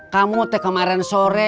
kamu teh kemarin sore